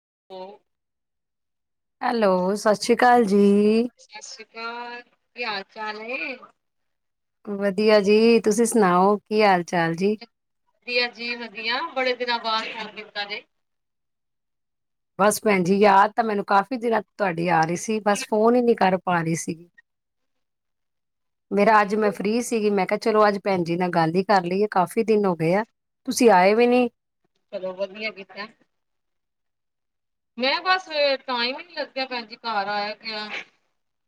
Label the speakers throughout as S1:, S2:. S1: [inaudible]
S2: Hello ਸਤਿ ਸ੍ਰੀ ਅਕਾਲ ਜੀ ਜੀ
S1: ਚ ਕੀ ਹਾਲ ਚਾਲ ਹੈ
S2: ਵਧੀਆ ਜੀ ਤੁਸੀਂ ਸੁਣਾਓ ਕੀ ਹਾਲ ਚਾਲ ਜੀ
S1: ਵਧੀਆ ਜੀ ਵਧੀਆ ਬੜੇ ਦਿਨਾਂ ਬਾਅਦ ਹਦੀਪਤਾ ਦੇ
S2: ਬਸ ਭੈਣ ਜੀ ਯਾਦ ਤਾਂ ਮੈਨੂੰ ਕਾਫ਼ੀ ਦਿਨਾਂ ਤੁਹਾਡੀ ਆ ਰਹੀ ਸੀ ਸੀ ਬਸ ਫੋਨ ਹੀ ਨਹੀਂ ਕਰ ਪਾ ਰਹੀ ਸੀ [inaudible] ਮੇਰਾ ਅੱਜ ਮੈਂ ਫ੍ਰਰੀ ਸੀਗੀ ਮੈਂ ਕਿਹਾ ਚਲੋ ਅੱਜ ਭੈਣ ਜੀ ਨਾਲ ਗੱਲ ਹੀ ਕਰ ਲਈਏ ਕਾਫੀ ਦਿਨ ਹੋ ਗਏ ਆ ਤੁਸੀਂ ਆਏ ਵੀ ਨਹੀਂ
S1: ਚਲੋ ਵਧੀਆ ਕੀਤਾ ਮੈਂ ਬਸ ਟਾਈਮ ਹੀ ਨੀ ਲੱਗਿਆ ਭੈਣ ਜੀ ਘਰ ਆਇਆ ਗਿਆ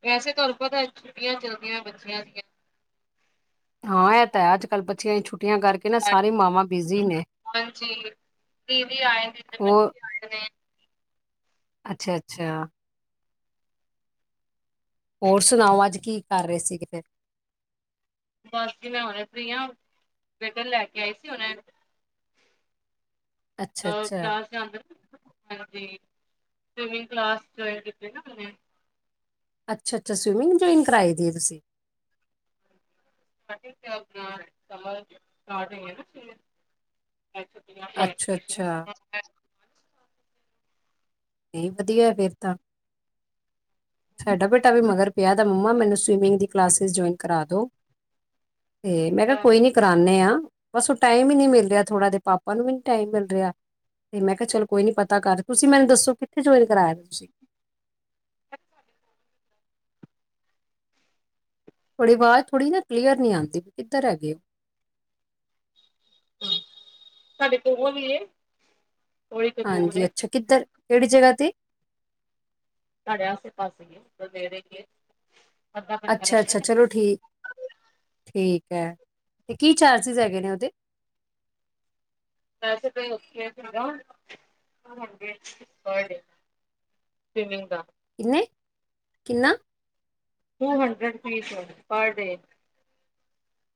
S1: ਵੈਸੇ ਤੁਹਾਨੂੰ ਪਤਾ ਛੁੱਟੀਆਂ ਚੱਲਦੀਆਂ ਬੱਚੀਆਂ ਦੀਆਂ
S2: ਹਾਂ ਇਹ ਤਾਂ ਹੈ ਅੱਜ ਕੱਲ੍ਹ ਬੱਚੀਆਂ ਦੀ ਛੁੱਟੀਆਂ ਕਰਕੇ ਨਾ ਸਾਰੀ ਮਾਵਾਂ ਬਿਜ਼ੀ ਨੇ
S1: ਹਾਂਜੀ। ਦੀਦੀ ਆਏ ਨੇ ਤੇ
S2: ਹੋਰ
S1: ਬੱਚੇ ਆਏ ਨੇ।
S2: ਅੱਛਾ ਅੱਛਾ ਹੋਰ ਸੁਣਾਓ ਅੱਜ ਕੀ ਕਰ ਰਹੇ ਸੀ ਕਿਤੇ
S1: ਬਸ ਜ ਮੈਂ ਹਣੇ ਫਰੀ ਹਾਂ ਬੇਧਰ ਲੈ ਕੇ ਆਈ ਸੀ ਉਹਨੇ [unintelligible]
S2: ਅੱਛਾ ਅੱਛਾ,
S1: ਸਵਮਿੰ ਕਲਾਸ ਜਇਨ ਨਾ ਉਹਨ
S2: ਅੱਛਾ ਅੱਛਾ ਸਵਿਮਿੰਗ ਜੁਆਇਨ ਕਰਵਾਈ ਦੀ ਹੈ ਤੁਸੀਂ
S1: [inaudible] [inaudible]
S2: ਅੱਛਾ ਅੱਛਾ,
S1: [inaudible]
S2: ਇਹ ਵਧੀਆ ਤਾਂ। ਸਾਡਾ ਬੇਟਾ ਵੀ ਮਗਰ ਪਿਆ ਤਾਂ ਮੰਮਾ ਮੈਨੂੰ ਸਵੀਮਿੰਗ ਦੀ ਕਲੱਸੇਸ ਜੁਆਇਨ ਕਰਾ ਦਿਉ। ਤੇ ਮੈਂ ਕਿਹਾ ਕੋਈ ਨੀ ਕਰਾਨੇ ਆ। ਬਸ ਉਹ ਟਾਈਮ ਹੀ ਨੀ ਮਿਲ ਰਿਹਾ ਥੋੜਾ ਇਹਦੇ ਪਾਪਾ ਨੂੰ ਵੀ ਨੀ ਟਾਈਮ ਮਿਲ ਰਿਹਾ ਤੇ ਮੈਂ ਕਿਹਾ ਚਲ ਕੋਈ ਨੀ ਪਤਾ ਕਰ ਤੁਸੀਂ ਮੈਨੂੰ ਦੱਸੋ ਕਿੱਥੇ ਜੁਆਇਨ ਕਰਾਇਆ ਤੁਸੀਂ? ਤੁਹਾਡੀ ਆਵਾਜ਼ ਥੋੜ੍ਹੀ ਨਾ ਕਲੀਅਰ ਨਹੀਂ ਆਉਂਦੀ ਵੀ ਕਿੱਧਰ ਹੈਗੇ ਉਹ?
S1: ਸਾਡੇ ਤੋਂ ਹੋਰ ਵੀ ਏ? ਥੋੜੀ ਕੁ ਦੂਰ
S2: ਹਾਂਜੀ
S1: ਏ
S2: ਅੱਛਾ ਕਿੱਧਰ ਕਿਹੜੀ ਜਗ੍ਹਾ ਤੇ?
S1: ਸਾਡੇ ਆਸੇ ਪਾਸੇ [inaudible]
S2: ਅੱਛਾ- ਅੱਛਾ
S1: ਲੱਗਦਾ
S2: ਚਲੋ ਠੀਕ -ਠੀਕ ਤੇ ਕੀ ਚਾਰਜਿਸ ਹੈਗੇ ਨੇ ਉਹਦੇ
S1: ੈੇ ਦਾ [inaudible]
S2: ਕਿੰਨੇ ਕਿੰਨਾ
S1: ਟੂ ਹਡਰਡ ਰੁਪੀਜ਼ ਹੈ ਪਰ ਡੇ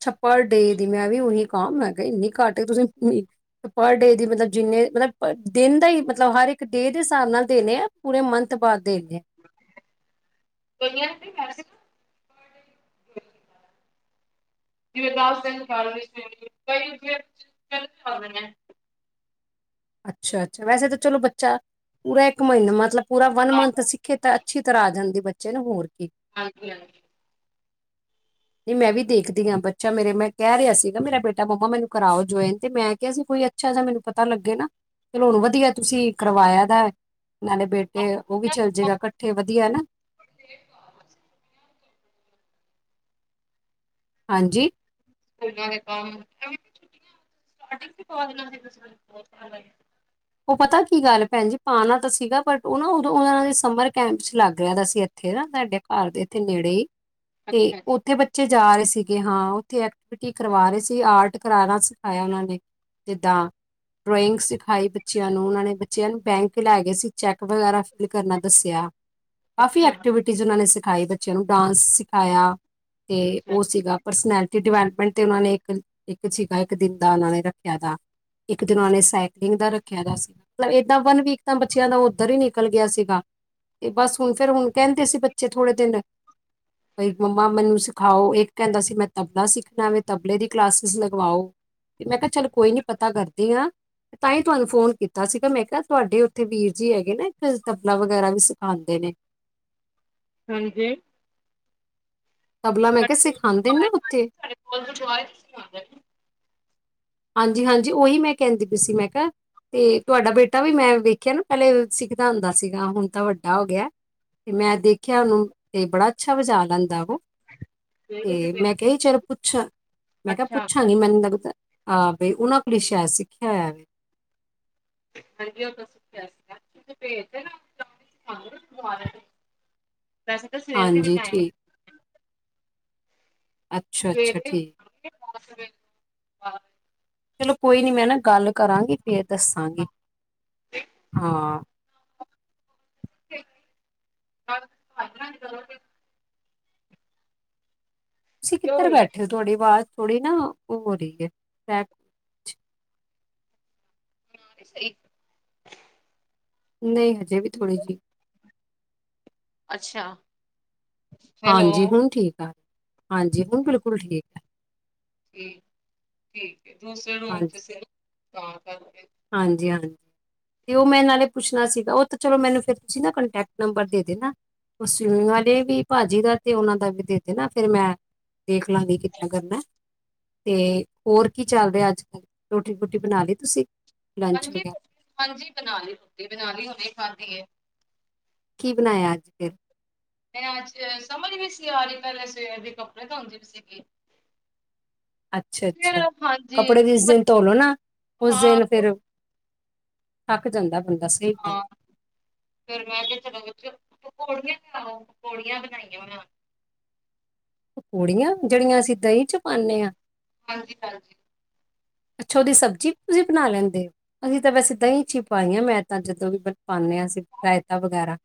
S2: ਅੱਛਾ ਪਰ ਡੇ ਦੀ ਮੈ ਵੀ ਉਹੀ ਕਮ ਹੈਗਾ ਇੰਨੀ ਘੱਟ ਤੁਸੀਂ ਪਰ ਡੇ ਦੀ ਮਤਲਬ ਜਿੰਨੇ ਮਤਲਬ ਪਰ ਦਿਨ ਦਾ ਹੀ ਮਤਲਬ ਹਰ ਇੱਕ ਡੇ ਦੇ ਹਿਸਾਬ ਨਾਲ ਦੇਨੇ ਆ ਪੂਰੇ ਮੰਥ ਬਾਅਦ ਦੇਣੇ ਆ
S1: ਕਈਆ ਜਾਲ ਸਿੰਘ ਸਿੰਘ ਕਈਦੇ ਨੇ [inaudible]
S2: ਅੱਛਾ ਅੱਛਾ ਵੈਸੇ ਤਾਂ ਚਲੋ ਬੱਚਾ ਪੂਰਾ ਇੱਕ ਮਹੀਨਾ ਮਤਲਬ ਪੂਰਾ ਵਨ
S1: ਹਾਂ
S2: ਮੰਥ ਸਿੱਖੇ ਤਾਂ ਅੱਛੀ ਤਰ੍ਹਾਂ ਆ ਜਾਦੀ ਬੱਚੇ ਨਾ ਹੋਰ ਕੀ
S1: ਹਾਂਜੀ ਹਾਂਜੀ
S2: ਨਹੀਂ ਮੈਂ ਵੀ ਦੇਖਦੀ ਹਾਂ ਬੱਚਾ ਮੇਰੇ ਮੈਂ ਕਹਿ ਰਿਹਾ ਸੀਗਾ ਮੇਰਾ ਬੇਟਾ ਮੰਮਾ ਮੈਨੂੰ ਕਰਾਓ ਜੁਇਨ ਤੇ ਮੈਂ ਕਿਹਾ ਸੀ ਕੋਈ ਅੱਛਾ ਜਿਹਾ ਮੈਨੂੰ ਪਤਾ ਲੱਗੇ ਨਾ ਚਲੋ ਹੁਣ ਵਧੀਆ ਤੁਸੀਂ ਕਰਵਾਇਆ ਦਾ ਨਾਲੇ ਬੇਟੇ ਉਹ ਵੀ ਚੱਲ ਜਾਏਗਾ
S1: ਹਾਂ
S2: ਇਕੱਠੇ ਵਧੀਆ ਨਾ
S1: ਸਕੂਲਾਂ
S2: ਹਾਂਜੀ
S1: [unintelligible] [inaudible]
S2: ਉਹ ਪਤਾ ਕੀ ਗੱਲ ਭੈਣ ਜੀ ਪਾਉਣਾ ਤਾਂ ਸੀਗਾ ਪਰ ਉਹ ਨਾ ਉਦੋਂ ਉਹਨਾਂ ਦੇ ਸਮਰ ਕੈਂਪ ਚ ਲੱਗ ਰਿਹਾ ਦਾ ਸੀ ਇੱਥੇ ਨਾ ਸਾਡੇ ਘਰ ਦੇ ਇੱਥੇ ਨੇੜੇ ਹੀ। ਤੇ
S1: ਅੱਛਾ ਅੱਛਾ
S2: ਉੱਥੇ ਬੱਚੇ ਜਾ ਰਹੇ ਸੀ ਅੱਗੇ ਹਾਂ ਉੱਥੇ ਐਕਟੀਵਿਟੀ ਕਰਵਾ ਰਹੇ ਸੀ ਆਰਟ ਕਰਾਣਾ ਸਿਖਾਇਆ ਉਹਨਾਂ ਨੇ ਜਿੱਦਾਂ ਡਰੋਇੰਗ ਸਿਖਾਈ ਬੱਚਿਆਂ ਨੂੰ ਉਹਨਾਂ ਨੇ ਬੱਚਿਆਂ ਨੂੰ ਬੈਂਕ ਲੈ ਗਏ ਸੀ ਚੈੱਕ ਵਗੈਰਾ ਫਿਲ ਕਰਨਾ ਦੱਸਿਆ। ਕਾਫੀ
S1: ਅੱਛਾ
S2: ਐਕਟੀਵਿਟੀਜ਼ ਉਹਨਾਂ ਨੇ ਸਿਖ ਸਿਖਾਏ ਬੱਚਿਆਂ ਨੂੰ ਡਾਂਸ ਸਿਖਾਇਆ। ਤੇ
S1: ਅੱਛਾ
S2: ਉਹ ਸਿਗਾ ਪਰਸਨੈਲਿਟੀ ਡਿਵੈਲਪਮੈਂਟ। ਤੇ ਉਹਨਾਂ ਨੇ ਇੱਕ ਇੱਕ [inaudible] ਇੱਕ ਦਿਨ ਦਾ ਉਹਨਾਂ ਨੇ ਰੱਖਿਆ ਦਾ ਇੱਕ ਦਿਨ ਉਹ ਨੇ ਸਾਈਕਲਿੰਗ ਦਾ ਰੱਖ ਗਿਆ ਸੀ ਮਤਲਬ ਏਦਾਂ ਵਨ ਵੀਕ ਤਾਂ ਬੱਚਿਆਂ ਦਾ ਉੱਧਰ ਹੀ ਨਿਕਲ ਗਿਆ ਸੀਗਾ ਤੇ ਬਸ ਹੁਣ ਫੇਰ ਹੁਣ ਕਹਿੰਦੇ ਅਸੀ ਬੱਚੇ ਥੋੜੇ ਦਿਨ ਬਈ ਮੰਮਾ ਮੈਨੂੰ ਸਿਖਾਓ ਇੱਕ ਕਹਿੰਦਾ ਸੀ ਮੈਂ ਤਬਲਾ ਸਿੱਖਣਾ ਵ ਤਬਲੇ ਦੀ ਕਲਾਸਿਸ ਲਗਵਾਓ ਮੈਂ ਕਿਹਾ ਚੱਲ ਕੋਈ ਨੀ ਪਤਾ ਕਰਦੀ ਹਾਂ ਤਾਂ ਹੀ ਤੁਹਾਨੂੰ ਫੋਨ ਕੀਤਾ ਸੀਗਾ ਮੈਂ ਕਿਹਾ ਤੁਹਾਡੇ ਉੱਥੇ ਵੀਰ ਜੀ ਹੈਗੇ ਨੇ ਇੱਕ ਤਬਲਾ ਵਗੈਰਾ ਵੀ ਸਿਖਾਉਂਦੇ ਨੇ
S1: ਹਾਂਜੀ
S2: ਤਬਲਾ ਮੈਂ
S1: ਸਾਡੇ
S2: ਕਿਹਾ
S1: ਕੋਲ
S2: ਸਿਖਾਉਦੇ ਨਾ
S1: ਗੁਰਦੁਆਰੇ
S2: ਉੱਥੇ
S1: ਹਾਂਜੀ ਸਾਡੇ ਕੋਲ ਗੁਰਦੁਆਰੇ ਚ ਸਿਖਾਉਂਦੇ ਨੇ
S2: ਹਾਂਜੀ ਹਾਂਜੀ ਉਹੀ ਮੈਂ ਕਹਿੰਦੀ ਪਈ ਸੀ ਮੈਂ ਕਿਹਾ ਤੇ ਤੁਹਾਡਾ ਬੇਟਾ ਵੀ ਮੈਂ ਵੇਖਿਆ ਨਾ ਪਹਿਲੇ ਸਿੱਖਦਾ ਹੁੰਦਾ ਸੀਗਾ ਹੁਣ ਤਾਂ ਵੱਡਾ ਹੋ ਗਿਆ ਤੇ ਮੈਂ ਦੇਖਿਆ ਉਹਨੂੰ ਤੇ ਬੜਾ ਅੱਛਾ ਵਜਾ ਲੈਂਦਾ ਉਹ
S1: ਫੇਰ ਤੁਸੀਂ
S2: ਤੇ
S1: ਭੇਜ
S2: ਮੈਂ ਕਹੀ ਚਲ ਪੁੱਛ ਮੈਂ ਕਿਹਾ
S1: ਅੱਛਾ
S2: ਪੁੱਛਾਂਗੀ ਮੈਨੂੰ ਲੱਗਦਾ ਆਹ ਬਈ ਉਹਨਾਂ ਕੋਲ ਸਾਇਦ ਸਿੱਖਿਆ ਹੋਵੇ
S1: ਹਾਂਜੀ ਉਹ ਤੋਂ ਸਿੱਖਿਆ ਸੀਗਾ ਵੈਸੇ ਤਾਂ ਸਵੇਰ ਦੀ ਵੀ
S2: ਹਾਂਜੀ ਠੀਕ
S1: ਟਾਈਮਿੰਗ
S2: ਅੱਛਾ ਅੱਛਾ ਠੀਕ
S1: [unintelligible]
S2: ਚਲੋ ਕੋਈ ਨੀ ਮੈਂ ਨਾ ਗੱਲ ਕਰਾਂਗੀ ਫਿਰ ਦੱਸਾਂਗੀ ਹਾਂ
S1: [unintelligible]
S2: ਤੁਸੀਂ
S1: ਕਿਉਂ
S2: ਕਿੱਧਰ
S1: ਬਈ
S2: ਬੈਠੇ ਹੋ ਤੁਹਾਡ ਬਾਅਦ ਥੋੜੀ ਨਾ ਉਹ ਹੋ ਰਹੀ ਹੈ
S1: ਹ ਸਹੀ
S2: ਨਹੀਂ ਹਜੇ ਵੀ ਥੋੜ੍ਹੀ ਜਿਹੀ
S1: ਅੱਛਾ ਹੈਲੋ
S2: ਹਾਂਜੀ ਹੁਣ ਠੀਕ ਆ ਹਾਂਜੀ ਹੁਣ ਬਿਲਕੁਲ ਠੀਕ ਏਖ
S1: ਠੀਕ ਠੀਕ ਦੂਸਰੇ ਰੂਮ ਚ
S2: ਹਾਂਜੀ
S1: ਸੀ ਤਾਂ ਕਰਕੇ
S2: ਹਾਂਜੀ ਹਾਂਜੀ ਤੇ ਉਹ ਮੈਂ ਨਾਲੇ ਪੁੱਛਣਾ ਸੀਗਾ ਉਹ ਤਾਂ ਚਲੋ ਮੈਨੂੰ ਫਿਰ ਤੁਸੀਂ ਨਾ ਕੰਟੈਕਟ ਨੰਬਰ ਦੇ ਦੇਣਾ ਉਹ ਸਵੀਮਿੰਗ ਵਾਲੇ ਵੀ ਭਾਜੀ ਦਾ ਅਤੇ ਉਹਨਾਂ ਦਾ ਵੀ ਦੇ ਦੇਣਾ ਫਿਰ ਮੈਂ ਦੇਖ ਲਾਂਗੀ ਕਿੱਦਾਂ ਕਰਨਾ ਅਤੇ ਹੋਰ ਕੀ ਚੱਲ ਰਿਹਾ ਅੱਜ ਕੱਲ੍ਹ ਰੋਟੀ ਰੂਟੀ ਬਣਾ ਲਈ ਤੁਸੀਂ ਲੰਚ
S1: ਹਾਂਜੀ
S2: ਵਗੈਰਾ
S1: ਹਾਂਜੀ ਬਨਾਲੀ ਰੋਟੀ ਬਨਾਲੀ ਹੁਣੇ ਖਾਦੀ ਏ
S2: ਕੀ ਬਣਾਇਆ ਅੱਜ ਫਿਰ
S1: ਮੈ ਅੱਜ ਸਮਝ ਵੀ ਸੀ ਆ ਰਹੀ ਪਹਿਲੇ ਸਵੇਰ ਦੇ ਕੱਪੜੇ ਧੋਦੀ ਵੀ ਸੀਗੀ ਫਿਰ
S2: ਅੱਛਾ-ਅੱਛਾ
S1: ਹਾਂਜੀ
S2: ਕੱਪੜੇ ਜਿਸ ਦਿਨ ਧੋਲੋ ਨਾ ਉਸ
S1: ਹਾਂ
S2: ਦਿਨ ਫਿਰ ਹੱਕ ਜਾਂਦਾ ਬੰਦਾ ਸਹੀ ਗੱਲ
S1: [unintelligible] ਪੌੜੀਆਂ ਲਓ ਪ ਪੌੜੀਆਂ ਬਣਾਈਆਂ ਵਾ
S2: ਪੂੜੀਆਂ ਜਿਹੜੀਆਂ ਅਸੀਂ ਦਹੀਂ ਚ ਪਾਉਦੇ ਹਾਂ
S1: ਹਾਂਜੀ ਹਾਂਜੀ
S2: ਅੱਛੋਦੀ ਸਬਜ਼ੀ ਤੁਸੀਂ ਬਣਾ ਲੈਂਦੇ ਹੋ ਅਸੀਂ ਤਾਂ ਵੈਸੇ ਦਹੀਂ ਚ ਹੀ ਪਾਈ ਹਾਂ ਮੈਂ ਤਾਂ ਜਦੋਂ ਵੀ ਪਾਉਂਦੇ ਹਾਂ ਅਸੀਂ ਰਾਇਤਾ ਵਗੈਰਾ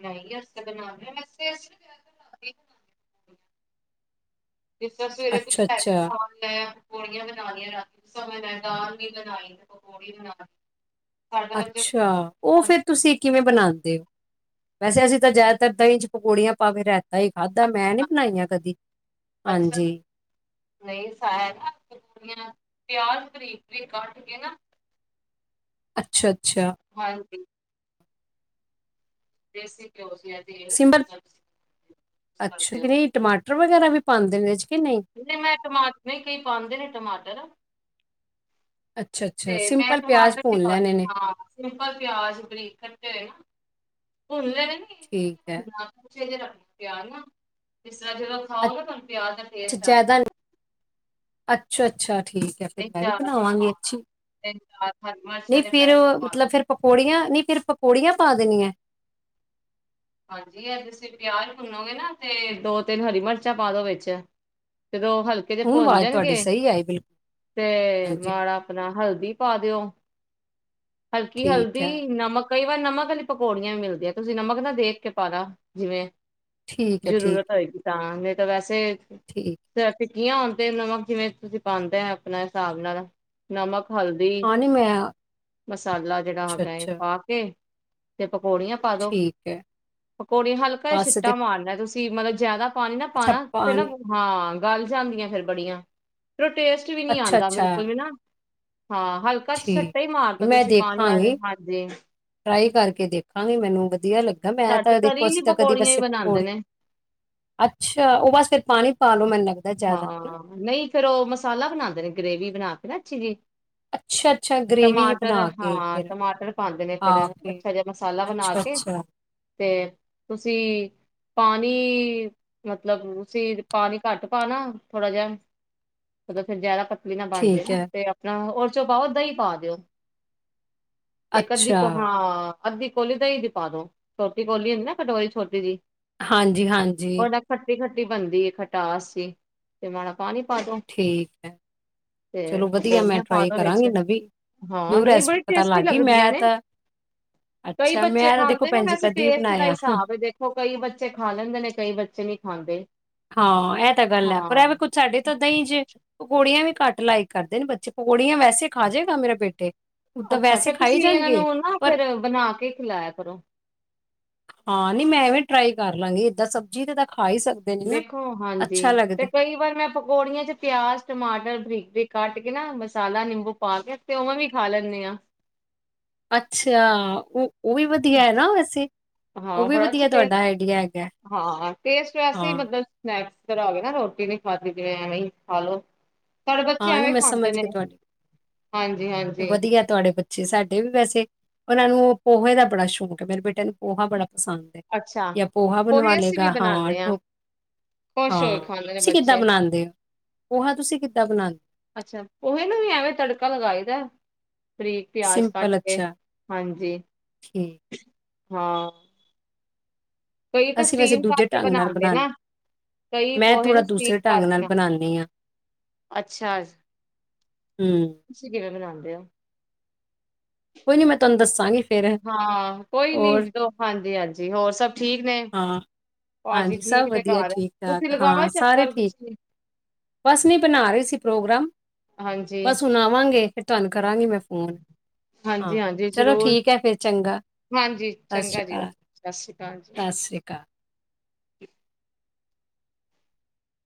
S1: ਨਹੀਂ ਅਸੀਂ ਬਣਾਣੇ ਵਸ [inaudible] ਜਿਸ ਤਰਾ ਸਵੇਰੇ ਤੋਂ
S2: ਅੱਛਾ
S1: ਹੈਵੀ
S2: ਅੱਛਾ
S1: ਖਾਣ ਲੈ ਆ ਪਕੌੜੀਆਂ ਬਣਾ ਲਈਆਂ ਰਾਤੀ ਦਾ ਸਮਾਂ ਡਾਂ ਵੀ ਬਣਾਈ ਪਕੌੜੀ ਬਣਾਈ।
S2: ਅੱਛਾ ਉਹ ਫਿਰ ਤੁਸੀਂ ਕਿਵੇਂ ਬਣਾ ਦ ਔ ਵੈਸੇ ਅਸੀਂ ਤਾਂ ਜ਼ਿਆਦਾਤਰ ਦਈ ਇੰਚ ਪਕੌੜੀਆਂ ਪਾਕੇ ਰਹਿ ਹੀ ਖਾਧਾ ਮੈਂ ਨੀ
S1: ਅੱਛਾ।
S2: ਬਣਾਈਆਂ ਕਦੀ
S1: ਅੱਛਾ
S2: ਹਾਂਜੀ।
S1: ਨਹੀਂ ਸਾਇਆ ਨਾ ਪਕੌੜੀਆਂ ਪਿਆਜ ਬਰੀਕ-ਬਰੀਕ ਕੱਟ ਕੇ ਨਾ
S2: ਅੱਛਾ,
S1: ਹਾਂਜੀ, [inaudible] [unintelligible]
S2: ਸਿੰਪਲ
S1: ਕਰਦੇ ਹੋ।
S2: ਟਰ ਵਗੈਰਾ ਵੀ ਪਾਂਦੇ ਨੇ ਏ ਚ।
S1: ਨਹੀਂ ਮੈਂ ਟਮਾਟਰ, ਕਈ ਪਾਂਦੇ ਨੇ ਟਮਾਟਰ।
S2: ਅੱਛਾ-ਅੱਛਾ,
S1: ਤੇ ਮੈਂ
S2: ਸਿੰਪਲ ਪਿਆਜ਼
S1: ਟਮਾਟਰ ਵੀ
S2: ਭੁੰਨ
S1: ਪਾ
S2: ਲੈਣੇ ਨੇ,
S1: ਹਾਂ ਸਿੰਪਲ ਪਿਆਜ ਬਰੀਕ ਕੱਟੇ ਹੋਏ। ਭੁਣ ਲੈਣੇ। ਨੇ ਇੰਨੇ ਵੀ
S2: ਠੀਕ
S1: ਨੀ
S2: ਹੈ।
S1: ਭੁੰਨਣਾ ਕੱਚੇ ਜੇ ਰੱਖਣੇ ਨੇ ਪਿਆਜ ਨਾ ਜਿਸ ਤਰ੍ਹਾਂ ਜਦੋਂ ਖਾਓ ਨਾ ਤੁਹਾਨੂੰ ਪਿਆਜ ਦਾ
S2: ਅੱਛਾ
S1: ਟੇਸਟ ਆਏ
S2: ਜਾਦਾ ਨਹੀਂ, ਅੱਛਾ-ਅੱਛਾ, ਠੀਕ ਹੈ ਫਿਰ
S1: ਤਿੰਨ
S2: ਮੈਂ ਵੀ
S1: ਚਾਰ
S2: ਬਣਾਵਾਂਗੀ
S1: ਹਾਂ
S2: ਇੰਜੀ,
S1: ਤਿੰਨ ਚਾਰ ਹਰੀ
S2: ਨਹੀਂ
S1: ਮਿਰਚਾਂ ਦੇ
S2: ਫਿਰ
S1: ਪੈਕਟ ਪਾ ਦੋ
S2: ਮਤਲਬ ਫੇਰ ਪਕੌੜੀਆਂ ਨੀ ਫਿਰ ਪਕੌੜੀਆਂ ਪਾ ਦੇਣੀਆਂ ਏ, ਕਿ
S1: ਹਾਂਜੀ ਐ ਤੁਸੀਂ ਪਿਆਜ ਭੁੰਨੋਗੇ ਨਾ ਤੇ ਦੋ-ਤਿੰਨ ਹਰੀ ਮਿਰਚਾਂ ਪਾ ਦੋ ਵਿੱਚ। ਜਦੋਂ ਹਲਕੇ ਦੇ
S2: ਹੁਣ
S1: ਭੁੰਣ
S2: ਆਵਾਜ਼ ਤੁਹਾਡੀ
S1: ਜਾਣਗੇ
S2: ਸਹੀ ਆਈ ਬਿਲਕੁਲ,
S1: ਤੇ
S2: ਹਾਂਜੀ, ਹਾਂ,
S1: ਮਾੜਾ ਆਪਣਾ ਹਲਦੀ ਪਾ ਦਿਓ। ਹਲਕੀ
S2: ਠੀਕ ਹੈ,
S1: ਹਲਦੀ, ਨਮਕ ਕਈ ਵਾਰ ਨਮਕ ਵਾਲੀ ਪਕੌੜੀਆਂ ਵੀ ਮਿਲਦੀਆਂ, ਤੁਸੀਂ ਨਮਕ ਦਾ ਦੇਖ ਕੇ ਪਾਣਾ ਜਿਵੇਂ
S2: ਠੀਕ ਹੈ, ਠੀਕ,
S1: ਜ਼ਰੂਰਤ ਹੋਏਗੀ ਤਾਂ ਨਹੀਂ ਤਾਂ ਵੈਸੇ
S2: ਠੀਕ।
S1: ਗਿਆਂ ਹੁਣ ਤੇ ਨਮਕ ਜਿਵੇਂ ਤੁਸੀਂ ਪਾਂਦੇ ਐ ਆਪਣੇ ਹਿਸਾਬ ਨਾਲ ਨਮਕ ਹਲਦੀ
S2: ਹਾਂ ਨਹੀਂ ਮੈਂ
S1: ਮਸਾਲਾ ਜਿਹੜਾ ਹੈਗਾ
S2: ਅੱਛਾ-ਅੱਛਾ।
S1: ਪਾ ਕੇ ਤੇ ਪਕੌੜੀਆਂ ਪਾ ਦੋ,
S2: ਠੀਕ ਹੈ
S1: ਪਕੌੜੇ ਹਲਕਾ
S2: ਬਸ ਤੇ
S1: ਛਿੱਟਾ ਮਾਰਨਾ ਏ ਤੁਸੀਂ ਪ ਮਤਲਬ ਜਾਦਾ ਪਾਣੀ ਨਾ
S2: ਅੱਛਾ
S1: ਪਾਣਾ ਫਿਰ ਨਾ
S2: ਪਾਣੀ
S1: ਬੁ ਹਾਂ। ਗੱਲ ਜਾਂਦੀਆਂ ਫਿਰ ਬੜੀਆਂ। ਫਿਰ ਔ ਟੇਸਟ ਵੀ ਨੀ
S2: ਅੱਛਾ
S1: ਆਂਦਾ
S2: ਅੱਛਾ
S1: ਬਿਲਕੁਲ ਵੀ ਨਾ ਹਾਂ ਹਲਕਾ
S2: ਠੀਕ
S1: ਛੱਟਾ ਹੀ ਮਾਰ
S2: ਮੈਂ ਦੇਖਾਂਗੀ, ਟਰਾਈ ਕਰਕੇ ਦੇਖਾਂਗੀ ਮੈਨੂੰ ਵਧੀਆ ਲੱਗ ਮੈਂ
S1: ਸਾਡੇ
S2: ਤਾਂ ਦੇਖੋ
S1: ਤਰੀ ਲਈ
S2: ਅਸੀਂ ਤਾਂ ਕਦੀ
S1: ਪਕੌੜੀਆਂ ਹੀ
S2: ਵੈਸੇ
S1: ਬਣਾਂਦੇ
S2: ਪਕੌੜੇ
S1: ਨੇ
S2: ਅੱਛਾ ਉਹ ਬਸ ਫਿਰ ਪਾਣੀ ਪਾ ਲੋ ਮੰਨ
S1: ਹਾਂ ਨਹੀਂ ਫਿਰ ਉਹ ਮਸਾਲਾ ਬਣਾਉਂਦੇ ਨੇ ਗਰੇਵੀ ਬਣਾ ਰਚ ਜੀ
S2: ਅੱਛਾ ਅੱਛਾ ਗ੍ਰੇਵੀ ਜਿਹੀ
S1: ਟਮਾਟਰ
S2: ਬਣਾ ਕੇ
S1: ਹਾਂ
S2: ਫਿਰ
S1: ਟਮਾਟਰ ਪਾਉਂਦੇ ਨੇ
S2: ਪਾ
S1: ਫਿਰ
S2: ਕੇ
S1: ਅੱਛਾ ਜਿਹਾ ਮਸਾਲਾ ਬਣਾ
S2: ਅੱਛਾ
S1: ਕੇ
S2: ਅੱਛਾ
S1: ਤੇ ਤੁਸੀਂ ਪਾਣੀ ਮਤਲਬ ਤੁਸੀਂ ਪਾਣੀ ਘੱਟ ਪਾਨਾ ਥੋੜਾ ਜਿਹਾ ਫਿਰ ਜ਼ਦਾ ਪ ਵੀ ਨਾ ਬਣਜੇ
S2: ਠੀਕ
S1: ਨਾ
S2: ਹੈ
S1: ਤੇ ਆਪਣਾ ਹੋਰ ਵਿੱਚੋਂ ਪਾਓ ਦਹੀਂ ਪਾ ਦਿਓ ਇੱਕ ਅਦੀ
S2: ਅੱਛਾ
S1: ਪ ਹਾਂ ਅੱਧੀ ਕੋਲੀ ਦਹੀਂ ਦੀ ਪਾ ਦੋ ਛੋਟੀ ਕੋਹਲੀ ਹੁੰਦੀ ਨਾ ਕਟੋਰੀ ਛੋਟੀ ਜਹੀ
S2: ਹਾਂਜੀ ਹਾਂਜੀ
S1: ਖਟੀ ਬਣਦੀ ਏ ਖਟਾਸ [unintelligible] ਪਾਨੀ ਪਾ ਦੋ
S2: ਠੀਕ ਹੈ
S1: ਤੇ
S2: ਚਲੋ ਵਧੀਆ ਮੈਂ
S1: ਪਕੌੜੀਆਂ ਪਾ
S2: ਟਰਾਈ
S1: ਦੋ ਵਿੱਚ
S2: ਕਰਾਂਗੀ ਨਵੀਂ
S1: ਹਾਂ
S2: ਨਿਊ
S1: ਨਹੀਂ
S2: ਰੈਸਪੀ
S1: ਬੜੀ
S2: ਪਤਾ
S1: ਟੇਸਟੀ
S2: ਲੱਗ ਗਈ ਮੈਂ
S1: ਲੱਗਦੀਆਂ ਨੇ
S2: ਤਾਂ
S1: ਕਈ
S2: ਅੱਛਾ
S1: ਬੱਚੇ
S2: ਮੈਂ ਤਾਂ ਦੇਖੋ
S1: ਖਾਂਦੇ ਨੇ
S2: ਭੈਣ ਜੀ
S1: ਵੈਸੇ
S2: ਕਦੀ
S1: ਟੇਸਟ ਦਾ
S2: ਬਣਾਇਆ
S1: ਹਿਸਾਬ ਏ ਦੇਖੋ ਕਈ ਬੱਚੇ ਖਾ ਲੈਂਦੇ ਨੇ ਕਈ ਬੱਚੇ ਨੀ ਖਾਂਦੇ
S2: ਏ ਤਾਂ ਗੱਲ ਹੈ ਪਰ
S1: ਹਾਂ
S2: ਏਵੇ ਕੁਛ ਸਾਡੇ ਤ ਦਹੀਂ ਚ ਪਕੌੜੀਆਂ ਵੀ ਘੱਟ ਲਾਇਕ ਕਰਦੇ ਨੇ ਬੱਚੇ ਪਕੌੜੀਆਂ ਵੈਸੇ ਖਾ ਜੇਗਾ ਮੇਰੇ ਬੇਟੇ ਉਦਾਂ
S1: ਅੱਛਾ
S2: ਵੈਸੇ
S1: ਫੇਰ
S2: ਖਾਈ
S1: ਤੁਸੀਂ ਇਹਨਾਂ
S2: ਜਾਣਗੇ
S1: ਨੂੰ ਨਾ
S2: ਪਰ
S1: ਫੇਰ ਬਣਾ ਕੇ ਖਿਲਾਇਆ ਕਰੋ।
S2: ਹਾਂ ਨੀ ਮੈਂ ਐਵੇਂ ਟਰਾਈ ਕਰ ਲਾਂਗੀ ਏਦਾਂ ਸਬਜ਼ੀ ਤੇ ਦ
S1: ਦੇਖੋ ਹਾਂਜੀ ਤੇ ਕਈ ਵਾਰ ਮੈਂ ਪਕੌੜੀਆਂ ਚ ਪਿਆਜ ਟਮਾਟਰ ਬਰੀਕ ਬਰੀਕ ਕੱਟ ਕੇ ਨਾ ਮਸਾਲਾ ਨਿੰਬੂ ਪਾ ਕੇ ਤੇ ਉਵੇਂ ਵੀ ਖਾ ਲੈਂਦੇ ਹਾਂ
S2: ਅੱਛਾ ਉਹ ਉਹ ਵੀ ਵਧੀਆ ਹੈ ਨਾ ਵੈਸੇ ਉਹ
S1: ਹਾਂ
S2: ਵੀ
S1: ਬੜਾ ਅੱਛਾ
S2: ਵਧੀਆ ਤੁਹਾਡਾ
S1: ਟੇਸਟ
S2: ਆਈਡੀਆ ਹੈਗਾ
S1: ਹਾਂ ਟੇਸਟ ਵੈਸੇ
S2: ਹਾਂ
S1: ਮਤਲਬ [unintelligible] ਰ ਆਵੇ ਨਾ ਰੋਟੀ ਨੀ ਖਾਧੀ ਜਿਵੇਂ ਐਵੇਂ ਈ ਖਾ ਲੋ ਸਾਡੇ ਬੱਚੇ
S2: ਹਾਂ ਨੀ
S1: ਐਵੇਂ
S2: ਮੈਂ
S1: ਖਾਂਦੇ
S2: ਸਮਝ
S1: ਨੇ
S2: ਗੀ ਤੁਹਾਡੀ
S1: ਹਾਂਜੀ ਹਾਂਜੀ
S2: ਵਧੀਆ ਤੁਹਾਡੇ ਬੱਚੇ ਬਚੇ ਸਾਡੇ ਵੀ ਵੈਸੇ ਉਹਨਾਂ ਨੂੰ ਪੋਹੇ ਦਾ ਬੜਾ ਸ਼ੌਕ ਹੈ ਮੇਰੇ ਬੇਟੇ ਨੂੰ ਪੋਹਾ ਬੜਾ ਪਸੰਦ ਹੈ
S1: ਅੱਛਾ
S2: ਜਾਂ ਪੋਹਾ ਬਣਵਾ
S1: ਪੋਹੇ ਅਸੀਂ ਵੀ
S2: ਲਏਗਾ ਹਾਂ
S1: ਬਣਾਉਂਦੇ ਖੁਸ਼ ਹੋ
S2: ਹਾਂ
S1: ਕੇ ਖਾਂਦੇ ਨੇ
S2: ਤੁਸੀਂ ਕਿੱਦਾਂ
S1: ਬੱਚੇ
S2: ਬਣਾਉਂਦੇ ਹੋ ਪੋਹਾ ਤੁਸੀਂ ਕਿ ਹਾਂ
S1: ਅੱਛਾ ਪੋਹੇ ਨੂੰ ਵੀ ਐਵੇਂ ਤੜਕਾ ਲਗਾਈ ਦਾ। ਬਰੀਕ ਪਿਆਜ ਕੱਟ
S2: ਸਿੰਪਲ
S1: ਕੇ
S2: ਅੱਛਾ
S1: ਹਾਂਜੀ।
S2: ਠੀਕ,
S1: ਹਾਂ ਕਈ ਤਾਂ
S2: ਅਸੀਂ ਵੈਸੇ
S1: ਸਟੀਮ
S2: ਦੂਜੇ
S1: ਕਰਕੇ
S2: ਢੰਗ ਨਾਲ
S1: ਬਣਾਉਂਦੇ ਨਾ
S2: ਬਣਾਉਦੇ
S1: ਕਈ
S2: ਮੈਂ
S1: ਪੋਹੇ
S2: ਥੋੜ੍ਹਾ
S1: ਨੂੰ
S2: ਦੂਸਰੇ
S1: ਸਟੀਮ
S2: ਢੰਗ
S1: ਕਰਕੇ
S2: ਨਾਲ
S1: ਬਣਾਉਂਦੇ ਨਾ।
S2: ਬਣਾਉਂਦੀ ਹਾਂ,
S1: ਅੱਛਾ
S2: ਹਮ
S1: ਤੁਸੀਂ ਕਿਵੇਂ ਬਣਾਉਂਦੇ ਹੋ।
S2: ਕੋਈ ਨੀ ਮੈਂ ਤੁਹਾਨੂੰ ਦੱਸਾਂਗੀ ਫੇਰ
S1: ਹਾਂ ਕੋਈ ਨੀ
S2: ਹੋਰ
S1: ਜਦੋਂ ਹਾਂਜੀ ਹਾਂਜੀ ਹੋਰ ਸਭ ਠੀਕ ਨੇ?
S2: ਹਾਂ
S1: ਭਾਜੀ
S2: ਹਾਂਜੀ
S1: ਠੀਕ
S2: ਸਭ
S1: ਨੇ
S2: ਵਧੀਆ
S1: ਘਰ,
S2: ਠੀਕ
S1: ਤੁਸੀਂ
S2: ਠਾਕ
S1: ਲਗਾਓ
S2: ਹਾਂ ਸਾਰੇ
S1: ਚੱਕਰ
S2: ਠੀਕ
S1: ਤੁਸੀਂ
S2: ਬਸ ਨਹੀਂ ਬਣਾ ਰਹੇ ਸੀ ਪ੍ਰੋਗਰਾਮ
S1: ਹਾਂਜੀ,
S2: ਬਸ ਹੁਣ ਆਵਾਂਗੇ ਫਿਰ ਤੁਹਾਨੂੰ ਕਰਾਂਗੀ ਮੈਂ ਫੋਨ ਹਾਂ
S1: ਹਾਂਜੀ-ਹਾਂਜੀ
S2: ਚਲੋ
S1: ਜ਼ਰੂਰ,
S2: ਠੀਕ ਹੈ ਫਿਰ ਚੰਗਾ
S1: ਹਾਂਜੀ
S2: ਸਤਿ ਸ੍ਰੀ
S1: ਚੰਗਾ ਜੀ,
S2: ਅਕਾਲ
S1: ਸਤਿ ਸ਼੍ਰੀ ਅਕਾਲ ਜੀ।
S2: ਸਤਿ ਸ਼੍ਰੀ ਅਕਾਲ।